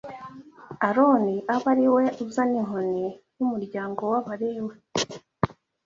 Aroni abe ari we uzana inkoni y’umuryango w’Abalewi